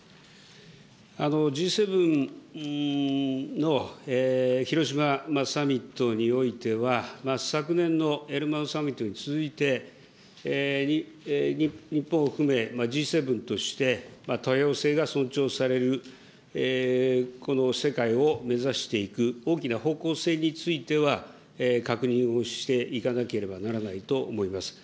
Ｇ７の広島サミットにおいては、昨年のサミットに続いて、日本を含めＧ７として、多様性が尊重されるこの世界を目指していく、大きな方向性については、確認をしていかなければならないと思います。